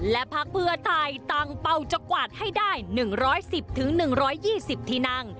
และพักเพื่อไทยตั้งเป้าจะกวาดให้ได้๑๑๐๑๒๐ที่นั่ง